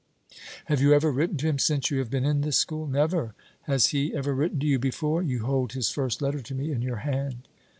"Have you ever written to him since you have been in this school?" "Never!" "Has he ever written to you before?" "You hold his first letter to me in your hand!"